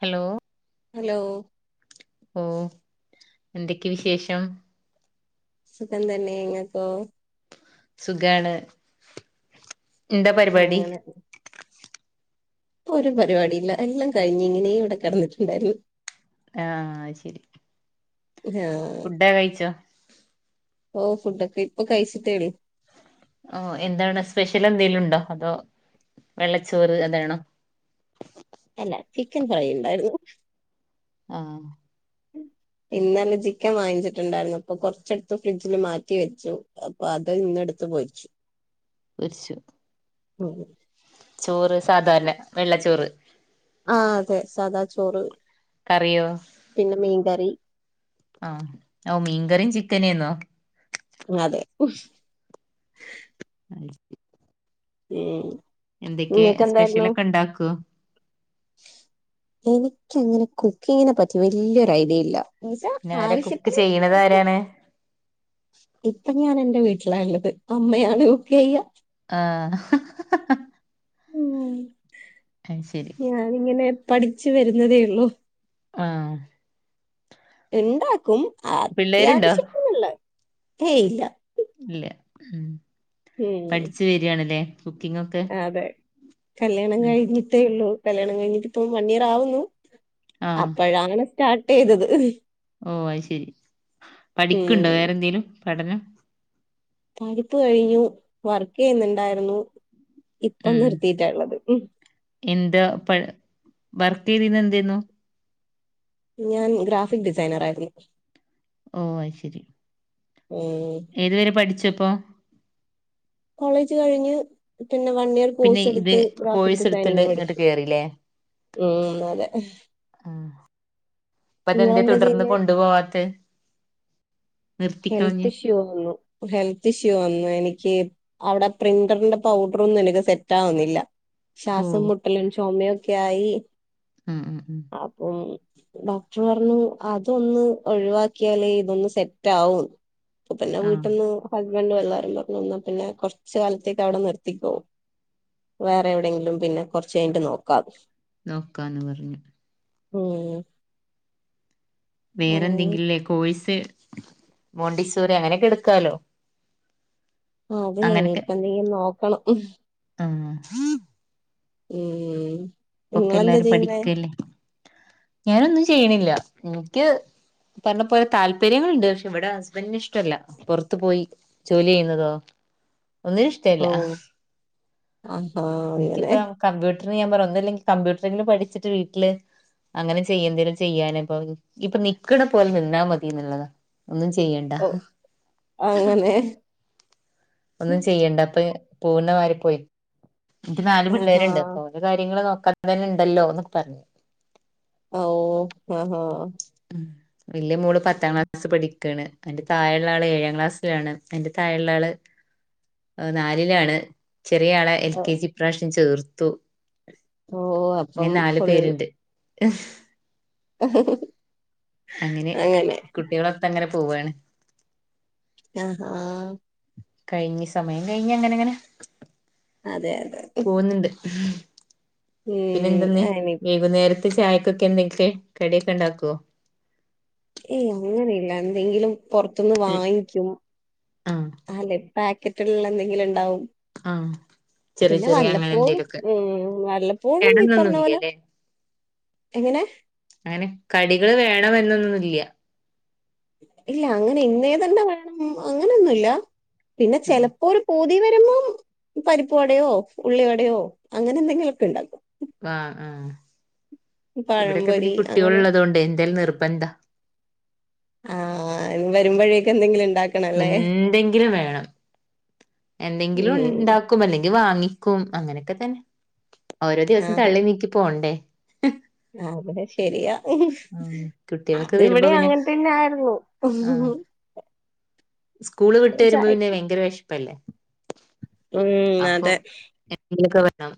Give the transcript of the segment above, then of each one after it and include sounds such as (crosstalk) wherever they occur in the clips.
Hello hello ഓ എന്തൊക്കെയ വിശേഷം സുഖം തന്നെ ങ്ങക്കോ സുഖാണ് എന്താ പരിപാടി അങ്ങനെ ഒരു പരിപാടിയില്ല എല്ലാം കഴിഞ്ഞ് ഇങ്ങനെ ഇവിടെ കിടന്നിട്ടുണ്ടായിരുന്നു ആഹ് ശരി ഫുഡാ കഴിച്ചോ ഓഹ് ഫുഡൊക്കെ ഇപ്പൊ കഴിച്ചിട്ടേളൂ ഓഹ് എന്താണ് സ്പെഷ്യൽ എന്തെങ്കിലുമുണ്ടോ അതോ വെള്ളച്ചോറ് അതാണോ അല്ല ചിക്കൻ ഫ്രൈ ഉണ്ടായിരുന്നു ആഹ് ഇന്നലെ ചിക്കൻ വാങ്ങിച്ചിട്ടുണ്ടായിരുന്നു അപ്പൊ കുറച്ചെടുത്ത് ഫ്രിഡ്ജില് മാറ്റിവെച്ചു അപ്പൊ അത് ഇന്നെടുത്ത് പൊരിച്ചു പൊരിച്ചു മ്മ് ചോറ് സാധാരണ വെള്ളച്ചോറ് ആ അതെ സാദാ ചോറ് കറിയോ പിന്നെ മീൻകറി തന്നെയെന്നോ അതെ (inaudible) മ്മ് എന്തൊക്കെ സ്പെഷ്യലൊക്കെ ഇണ്ടാക്കൂവോ എനിക്കങ്ങനെ കുക്കിങ്ങിനെ പറ്റി വലിയൊരു ഐഡിയയില്ല ന്ന് വച്ചാ പിന്നാരാ കുക്ക് ആവശ്യത്തിന് ചെയ്യണത് ഉണ്ടാക്കും ആരാണ് ഇപ്പം ഞാൻ എ ഞാൻ വീട്ടിലാണുള്ളത് അമ്മയാണ് കുക്ക് ചെയ്യ ആഹ് മ്മ് അത് ശരി ഞാൻ ഇങ്ങനെ പഠിച്ചു വരുന്നതേ ഉള്ളൂ ആ എന്താക്കും പിള്ളേരുണ്ടോ അത്യാവശ്യത്തിന്നല്ലെ ഹേയ് ഇല്ല ഇല്ലെ മ് ഉം പഠിച്ചു വരാണല്ലെ കുക്കിംഗ്‌ ഒക്കെ അതെ കല്യാണം ഉം കഴിഞ്ഞിട്ടേ ഉള്ളൂ കല്യാണം കഴിഞ്ഞട്ടിപ്പോ വൺ ഇയർ ആവുന്നു ആഹ് അപ്പോഴാണ് സ്റ്റാർട്ട് ചെയ്തത് ഓ അത് ശരി ഉം പഠിക്ക്ണ്ടോ വേറെ എന്തേങ്കലും പഠന പഠിപ്പ് കഴിഞ്ഞു വർക്ക് ചെയ്യുന്നുണ്ടായിരുന്നു ഇപ്പം ഉം നിർത്തിയിട്ടഉള്ളത് മ് എന്താ പ വർക്ക് ചെയതിന്ന് എന്തെന്നു ഞാൻ ഗ്രാഫിക് ഡിസൈനർ ആയിരുന്നു ഓ ശരി ഉം ഏതുവരെ പഠിച്ചു പ്പൊ കോളേജ് കഴിഞ്ഞ് പിന്നെ വൺ ഇയർ പിന്നെ കോഴ്സ് ഇത് എടുത്ത് ഗ്രാഫിക് കോഴ്സ് എടുത്തിണ്ട് ഡിസൈനിങ് ഇങ്ങട്ട് പഠിച്ചു കേറില്ലേ മൂന്നര ആഹ് അപ്പ അതെന്തേ തുടർന്ന് നിങ്ങളെന്താചെയ്യുന്നത് കൊണ്ടുപോവാത്തെ നിർത്തിക്കളഞ്ഞ് ഹെൽത്ത് ഇഷ്യൂ വന്നു ഹെൽത്ത് ഇഷ്യൂ വന്നു എനിക്ക് അവിടെ പ്രിന്ററിന്റെ പൗഡറ് ഒന്നും എനിക്ക് സെറ്റ ആവുന്നില്ല ഓ ശ്വാസം മുട്ടലും ചുമയും ഒക്കായി ഉം ഉം ഉം അതു ഡോക്ടർ പറഞ്ഞു അതൊന്ന് ഒഴിവാക്കിയാലേ ഇതൊന്ന് സെറ്റ് സെറ്റാവു അപ്പ പിന്നെ ആഹ് വീട്ടീന്ന് രണ്ട് പിള്ളേരും പറഞ്ഞുന്നാ പിന്നെ കൊറച്ച് കാലത്തേക്ക് അവിടെ നിർത്തിക്കോ വേറെ എവിടെയെങ്കിലും പിന്നെ കൊറച്ച് കഴിഞ്ട്ട് നോക്കാ നോക്കാന്ന് പറഞ്ഞു മ് വേറെ എന്തെങ്കിലുംല്ലേ കസ് മോണ്ടിസൂര് അങ്ങനെയൊക്കെ എടുക്കാലോ ആ അതെ അങ്ങനൊക്കെ ഇനിപ്പ എന്തെങ്കിലും നോ കണം ആഹ് ഉം ഇപ്പൊക്കെ നിങ്ങളെന്താ എല്ലാരും ചെയ്യുന്നേ പഠിക്കല്ലേ ഞാനൊന്നും ചെയ്യണില്ല എനിക്ക് പറഞ്ഞ പോലെ താല്പര്യങ്ങളുണ്ട് പക്ഷെ ഇവിടെ ഹസ്ബൻഡന് ഇഷ്ടല്ല പുറത്തു പോയി ജോലി ചെയ്യുന്നതോ ഒന്നിനും ഇഷ്ടല്ല ഓ ആഹാ അങ്ങനെ എനിക്കിപ്പ കമ്പ്യൂട്ട (unintelligible) അന്ന് ഞാൻ പറഞ്ഞു ഒന്നുവിലെൻകിൽ കമ്പ്യൂട്ടറില് പഠിച്ചിട്ട് വീട്ടില് അങ്ങനെ ചെയ്യ എന്തേലും ചെയ്യാനപ്പ ഇപ്പൊ ഇപ്പൊ നിക്കണ പോലെ നിന്നാ മതിന്നുള്ളതാ ഒന്നും ചെയ്യണ്ട ഓ അങ്ങനെ ഒന്നും ചെയ്യണ്ട അപ്പേ പൂന വരെ പോയി എനിക്ക് നാല് ആഹാ പിള്ളേരിണ്ട് അപ്പൊ അവരുടെ കാര്യങ്ങള് നോക്ക (unintelligible) ഇണ്ടല്ലോന്നൊക്കെ പറഞ്ഞ് ഓ ആഹ് ഹാ ഉം വല്യ മോള് പത്താം ക്ലാസ് പഠി ക്കാണ് അയിൻ്റെ താഴിള്ള ആള് ഏഴാം ക്ലാസ്സിലാണ് അയിൻ്റെ താഴിള്ള ആള് നാലിലാണ് ചെറിയാള് എൽ കെ ജി ഇപ്രാശ്യം ചേർ ത്തു ഓ അപ്പം (unintelligible) അങ്ങനെ കുട്ടികളൊക്കെ അങ്ങനെ പോവാണ്. ആഹ് കഴിഞ്ഞ് സമയം കഴിഞ്ഞ് അങ്ങനങ്ങനെ. അതെ. അതെ പോന്നിണ്ട്. പിന്നെ ഉം എന്തിന്ന് അനി വൈകുന്നേര ത്തെ ചായക്കൊക്കെ എന്തെക്കെ കടിയൊക്കെ ഉണ്ടാക്കുവോ? ഏയ് അങ്ങനെയില്ല എന്തെങ്കിലും പൊറത്തുന്ന് വാങ്ങിക്കും ആഹ് അല്ലേ പാക്കറ്റുകളിലെ എന്തെങ്കിലും ഉണ്ടാവും. ആ ചെറിയ പിന്നെ ചെറിയ വല്ലപ്പോഴും അങ്ങനെന്തെലൊക്കെ ഉം വല്ലപ്പോഴും ഈ പറഞ്ഞ പോലെ വേണന്നൊന്നുമില്ലല്ലേ എങ്ങനെ അങ്ങനെ കടികള് വേണം എന്നൊന്നു ഇല്ല്യാ. ഇല്ല അങ്ങനെ ഇന്നേതന്നെ വേണം അങ്ങനെയൊന്നുമില്ല. പിന്നെ ഉം ചെലപ്പോ ഒരു പൂ തി വരുമ്പോം പരിപ്പ് വടയോ ഉള്ളി വടയോ അങ്ങനെ എന്തെങ്കിലുമൊക്കെ ഉണ്ടാക്കും. ആ ആ ഇവിടൊക്കെ പിന്നെ പഴംപൊരി കുട്ടികൾ അങ്ങനെ ഉള്ളത് കൊണ്ട് എന്തോലും നിർബന്ധാ. ക്ക്‌ എന്തെങ്കിലി എന്തെങ്കിലും വേണം എന്തെങ്കിലും ഉം ഉണ്ടാക്കും അല്ലെങ് വാങ്ങിക്കും അങ്ങനെയൊക്കെ തന്നെ ഓരോ ദിവസം തള്ളി നീക്കി പോണ്ടേ അതെ ശരിയാ ഉം കുട്ടികൾക്ക് വരുമ്പോ അതിവിടെ പിന്നെ അങ്ങനെ തന്നെ ആയിരുന്നു ആ സ്കൂള് വിട്ട് വരുമ്പോ ചായ പിന്നെ ഭയങ്കര വിശപ്പല്ലേ ഉം അപ്പം അതെ (unintelligible) വേണം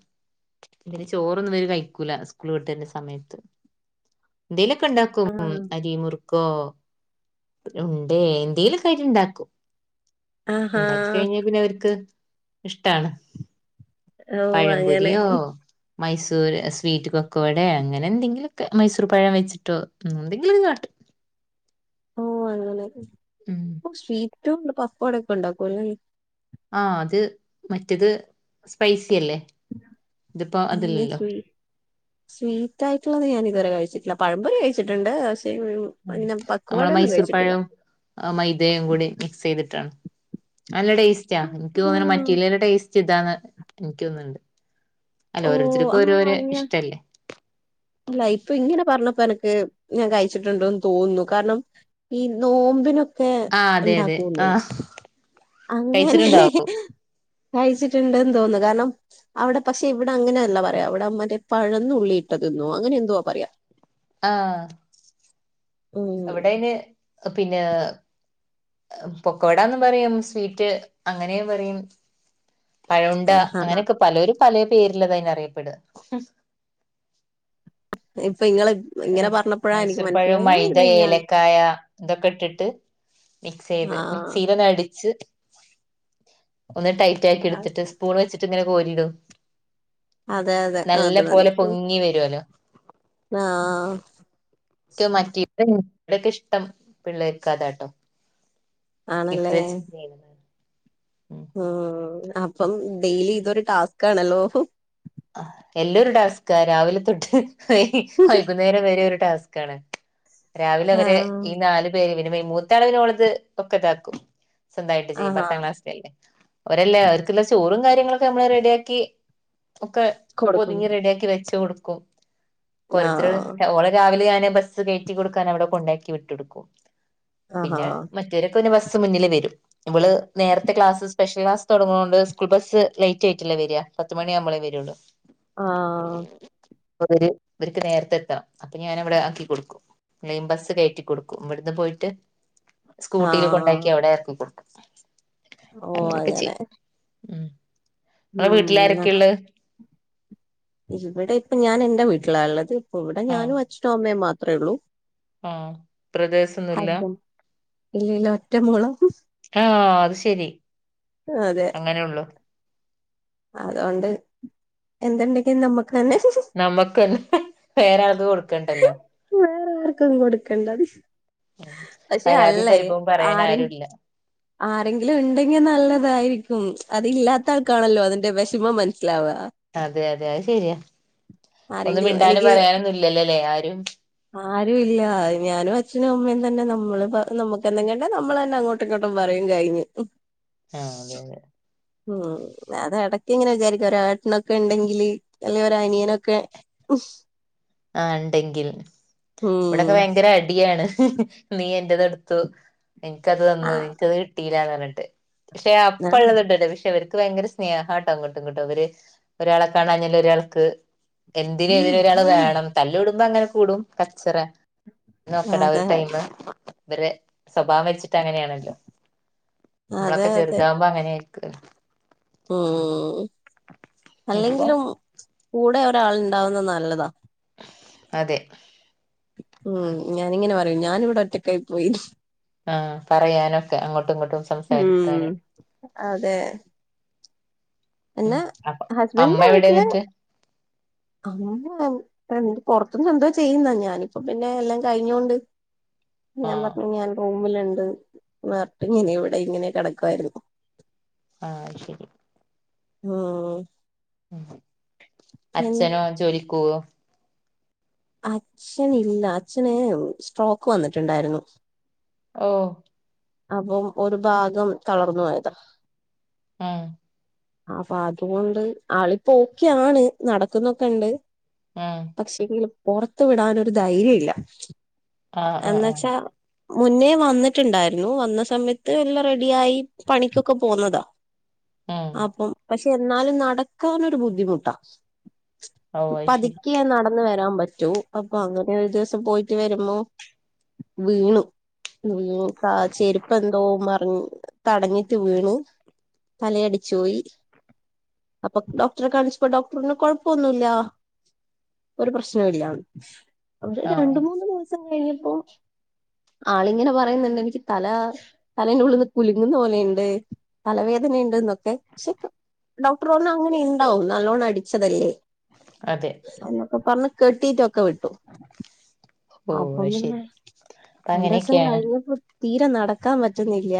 ചോറൊന്നും ഇവര് കഴിക്കൂല സ്കൂൾ വിട്ട് വരണ സമയത്ത് എന്തേലു ഉണ്ടാക്കും ആഹ് അരി മുർ ഉണ്ടേ എന്തേലൊക്കെയായിട്ട് ഉണ്ടാക്കും ആഹാ ഇണ്ടാക്കി കഴിഞ്ഞാ പിന്നെ അവർക്ക് ഇഷ്ടാണ് ഓ അങ്ങനെ പഴംപൊരിയോ മൈസൂർ സ്വീറ്റ് കൊക്കോവടോ അങ്ങനെ എന്തെങ്കിലൊക്കെ മൈസൂർ പഴം വെച്ചിട്ടോ എന്തെങ്കിലും ഒക്കെ കാട്ടും ഓ അങ്ങനെ ഉം ഏറ്റവും പക്കവടൊക്കെ ഉണ്ടാക്കൂ അല്ലെ ആ അത് മറ്റേത് സ്പൈസി അല്ലേ ഇതിപ്പോ പിന്നെ അതില്ലല്ലോ സ്വീ സ്വീറ്റ് ആയിട്ടുള്ളത് ഞാൻ ഇതുവരെ കഴിച്ചിട്ടില്ല പഴംപൊരി കഴിച്ചിട്ടുണ്ട് ഉം അങ്ങനെ പക്വട നമ്മള് ഒന്നും മൈസൂർ കഴിച്ചിട്ടില്ല പഴവും മൈദയും കൂടി മിക്സ് ചെയ്തിട്ടാണ് നല്ല ടേസ്റ്റാ എനിക്ക് ആഹാ. തോന്നണ് മറ്റല്ലല്ല ടേസ്റ്റ് ഇതാണ് എനിക്കൊന്ന് ഇണ്ട് ഓ ആ അല്ല ഇപ്പൊ ഇങ്ങനെ പറഞ്ഞപ്പ അനക്ക് ഞാൻ കഴിച്ചിട്ടുണ്ടോന്ന് തോന്നുന്നു കാരണം ഈ നോമ്പിനൊ ആ അതെ അതെ ആ അങ്ങനെ കഴച്ചിട്ടുണ്ട്ന്ന് തോന്നുന്നു കാരണം അവിടെ പക്ഷെ ഇവിടെ അങ്ങനെയല്ല പറയാ അവിടെ മറ്റേ പഴം നുള്ളിയിട്ടതന്നോ അങ്ങനെ എന്തുവാ പറയാ ആഹ ഉം എവിടെന് പിന്നെ പൊക്കോടന്ന് പറയും സ്വീറ്റ് അങ്ങനെ പറയും പഴയുണ്ട ആഹ് ആഹ് അങ്ങനെയൊക്കെ പലരും പല പേരിലത അന് അറിയപ്പെടുക അപ്പൊ നിങ്ങള് ഇങ്ങനെ മൈസ് പറഞ്ഞപ്പോഴാ എനിക്ക് മൈസൂർ മനസ്സിലായി ഇത്ഴിഞ്ഞാൻ ഇതൊക്ക ഇട്ടിട്ട് മിക്സ് ചെയ്ത് ആഹ് മിക്സിൽ ഒന്ന് അടിച്ച് (inaudible) ഒന്ന് ടൈറ്റാക്കി എടുത്തിട്ട് സ്പൂൺ വെച്ച് ഇങ്ങനെ കോരിടും. അതെ അതെ നല്ല അത് പോലെ തന്നെ പൊങ്ങി വരുവല്ലോ ആഹ് എനിക്ക് (unintelligible) ഇഷ്ടം പിള്ളേർക്കതാട്ടോ ഇത് വ ചെ ആഹ് അപ്പം ഡെയിലി ഇതൊരു ടാസ്കാണല്ലോ. എല്ലൊരു ടാസ്ക്കാ രാവിലെ തൊട്ട് യ് വൈകുന്നേരം വരെ ഒരു ടാസ്കാണ്. രാവിലെ അവര് ആഹ് ഈ നാല് പേര് പിന്നെ മൂത്ത ആള് പിന്നെ ഓൾത് ഒക്കെ താക്കും. സ്വന്തായിട്ട് ചെയ്യും ആഹാ പത്താ ക്ലാസ്സിലല്ലേ ഒരല്ലാ ക്ക്ന്ന്. ചോറും കാര്യങ്ങളൊക്കെ നമ്മള് റെഡിയാ ക്കി ഒക്കെ കൊടുക്കണം പൊതിഞ്ഞ് റെഡിയാക്കി വെച്ച് കൊടു കൊ ക്കൊ ഓരോര്ത്തര് ആഹ് ക ഓളെ രാവിലെ ഞാന് ബസ്സ് കേറ്റി കൊടുക്കാൻ അവിടെ കൊണ്ടാക്കി വിട്ടൊടുക്കും ആഹാ പിന്നെ മറ്റേരൊക്കെ പിന്നെ ബസ് സ് മുന്നില് വരും ഇവള് നേരത്തെ ക്ലാസ് സ്പെഷ്യൽ ക്ലാസ് തൊടങ്ങ്ണോണ്ട് സ്കൂൾ ബസ് ലൈറ്റായിട്ടല്ലേ വെര്യാ പത്ത് മണി ആവുമ്പള് വെരുള്ളു ആ ഇപ്പ ഇവര് ഇവര്ക്ക് നേരത്തെ എത്താ അപ്പം ഞാനവിടെ ആക്കി കൊടുക്കും ലൈൻ ബസ്സ് കേറ്റി കൊടുക്കും ഇവിട്ന്ന് പോയിട്ട് സ്കൂട്ടിയില് കൊണ്ടാക്കി അവ്ടെ എറക്ക് കൊടുക്കും ഓ അങ്ങനെയൊക്കെ അങ്ങനെ ചെയ്യും ഉം ഇങ്ങളെ വീട്ടിലാരൊക്കെ ഇള്ളെ ഇവടെ ഇപ്പ ഞാൻ എൻ്റെ വീട്ടിലാള്ളത്. ഇവിടെ ഞാനും അച്‌ഛനും, അമ്മേ മാ അത്രേ ഉള്ളൂ? ആ ബ്രദേഴ്സൊന്നുമില്ല ഇല്ലല്ലോ ഒറ്റമോളാ ആ അത് ശരി അങ്ങനെള്ളു അതൊണ്ട് എന്തകിലും നമുക്ക് നമ്മക്ക് വേറെയാർക്കും കൊടുക്കണ്ടല്ലോ വേറെ ആർക്കൊന്നും കൊടുക്കണ്ടത് പക്ഷെ പരാതിയും അല്ലേ പരിഭവം പറയാൻ ആരെ ആരുല്ല ആരെങ്കിലും ഉണ്ടെങ്കിൽ നല്ലതായിരിക്കും അത് ഇല്ലാത്ത ആൾക്കാണല്ലോ അതിന്റെ വിഷ ചുമ്മാ മനു അതെ അതെ അത് ശെരിയാ ഒന്നും ആരെങ്കിലും മിണ്ടാനും പറയാനൊന്നുമില്ലല്ലേ ആരും എം (unintelligible) ആരുും ഇല്ല ഞാനും അച്ഛനും അമ്മയും തന്നെ നമ്മള് നമ്മുക്ക് എന്തെങ്കണ്ട നമ്മൾ തന്നെ അങ്ങോട്ടും ഇങ്ങോട്ടും പറയും കഴിഞ്ഞു ആ അതെ അതെ ഉം അത് ഇടയ്ക്ക് ഇങ്ങനെ വിചാരിക്കും ഒരേട്ടനൊക്കെ ഉണ്ടെങ്കില് അല്ലെ ഒര അനിയനൊക്കെ ആ ഉണ്ടെങ്കിൽ ഇവിടെക്കെ ഉം ഭയങ്കര അടിയാണ് നീ എന്റെത് എടുത്തു നിനക്കത് തന്നു ആഹ് എനിക്കത് കിട്ടില്ല ണ്ട് പക്ഷെ അപ്പ ഉള്ളത്ണ്ടല്ലെ വിഷയം ഭയങ്കര സ്നേഹാട്ടാങ്ങോട്ടും ഇങ്ങട്ടുംഅവര് ഒരാളെ കാണാഞ്ഞാല് ഒരാൾക്ക് എന്തിനും ഏതിനും ഒരാള് വേണം തല്ല് കൂടുമ്പോ അങ്ങനെ കൂടും കച്ചറ നോക്കടാ ഒരു അതെ ടൈമ് ഇവര് സ്വഭാവം വെച്ചിട്ട് അങ്ങനെയാണല്ലോ അതെ നമ്മളൊക്കെ അതെ ചെറുതാകുമ്പോ അങ്ങനെ ക്ക (unintelligible) ഉം ഇപ്പൊ അല്ലെങ്കിലും കൂടെ ഒരാൾ ഉണ്ടാവുന്നത് നല്ലതാ. അതെ ഉം ഞാാനിങ്ങനെ പറയും ഞാനിവിടെ ഒറ്റക്കായി പോയി. ഉം പറയാനൊക്കെ അങ്ങോട്ടും ഇങ്ങോട്ടും ഉം സംസാരിക്കാന എന്നാ ഹസ്ബന്റ എവിടെ വീട്ടില് എന്നിട്ട് എന്ത് പുറത്തനിന്ന് എന്തോ ചെയ്യുന്നാ ഞാനിപ്പ പിന്നെ എല്ലാം കഴിഞ്ഞോണ്ട് ഞാൻ ആഹ് പറഞ്ഞു ഞാൻ പോകും. മില്ണ്ട്. നാട്ട് ഇങ്ങനെ ഇവിടെ ഇങ്ങനെ കെടക്കുവായിരുന്നു. ആഹ ശരി. ആ. ഉം. അച്ഛനോ ജോലിക്കോവോ? അച്ഛനില്ല. അച്ഛന് സ്ട്രോക്ക് വന്നിട്ട് ണ്ടായിരുന്നു. ഓ. അപ്പം ഒരു ഭാഗം തളർന്നു പോ യതാ. ആ അപ്പൊ അതുകൊണ്ട് ആളിപ്പോ ഓക്കെയാണ് നടക്കുന്നൊക്കെ ഇണ്ട്. ഉം പക്ഷേങ്കില് പൊറത്തു വിടാനൊരു ധൈര്യ ഇല്ല. ആഹ ആഹ എന്ന് അ വെച്ചാ മുന്നേ വന്നിട്ട്ണ്ടായി നു വന്ന സമയത്ത് എല്ലാം റെഡിയായി പണിക്കൊക്കെ പോവു ന്നതാ. ഉം അപ്പം പശ് എന്നാലും നടക്കാനൊരു ബുദ്ധിമുട്ടാ ഓഹ് അത് ശരി പതുക്കിയ നടന്ന് വരാൻ പറ്റു അപ്പൊ അങ്ങനെ ഒരു ദിവസം പോയിട്ട് വരുമ്പോ വീണു വി ആ ചെരുപ്പ് എന്തോ മറി തടഞ്ഞിട്ട് വീണു തലയടിച്ചു പോയി അപ്പൊ ഡോക്ടറെ കാണിച്ചപ്പോ ഡോക്ടറിന് കൊഴപ്പൊന്നുല്ല ഒരു പ്രശ്നം ഇല്ലാന്ന് ഒരു ആഹ് രണ്ട് മൂന്ന് ദിവസം കഴിഞ്ഞ മു ആളിങ്ങനെ പറയുന്നുണ്ട് തല തലേന് ഉള്ളിന്ന് കുലുങ്ങുന്ന പോലെ ഇണ്ട് തലവേദനുണ്ട് എന്നൊക്കെ ശിക ഡോക്ടറഞ്ഞു അങ്ങനെ ഉണ്ടാവും നല്ലോണ്ണം അടിച്ചതല്ലേ അതെ അന്നൊക്കെ പറഞ് കിട്ടിട്ടൊ ക്കെ വിട്ടു ഓഹ് അപ്പം അത് പിന്നെ ശരി അപ്പൊ രണ്ട്സം അങ്ങനെയൊക്കെയാണ് കഴിഞ്ഞപ്പോ തീരെ നടക്കാൻ പറ്റുന്നില്ല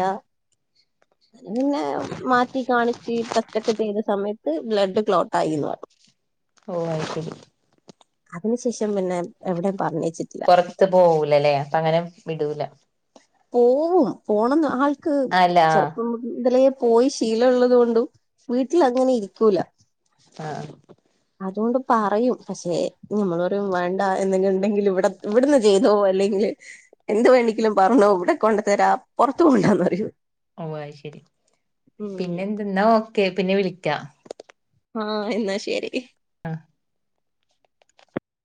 അത് പിന്നെ മാറ്റി കാണിച്ച് ടെസ്റ്റ്റ്റൊക്കെ ചെയ്ത് സമയത്ത് ബ്ലഡ് ക്ലോട്ട് ആയിന്ന് പറഞ്ഞു ഓ അയിശരി അതിനു ശേഷം പിന്നെ എവിടെയും പറഞ്ഞയച്ചിട്ടില്ല പൊറത്ത് പോവൂലല്ലേ അപ്പ അങ്ങനെ വിടൂല പോവും പോണന്ന് ആൾ ക്ക്‌ അല്ല ആഹ് ചെറുപ്പം മുതലെ പോയി ശീലം ഉള്ളതുകൊണ്ടും വീട്ടിൽ അങ്ങനെ ഇരിക്കൂല ആഹ് അതുകൊണ്ട് പറയും പക്ഷെ നമ്മള് രും വേണ്ട എന്നെങ്കിലും ണ്ടെങ്കിൽ വെട് ഇവിടുന്ന് ചെയ്തോ അല്ലെങ്കിൽ എന്ത് വേണെങ്കിലും പർഞ്ഞോ വിടെ കൊണ്ടു തരാ പൊറത്ത് പോണ്ടാന്നു പറയു ഓ അഹ് ശരി. പിന്നെ എന്തെ ന്നാ ഓക്കെ പിന്നെ വിളിക്കാ ആഹ് എന്നാ ശരി അ ഹ്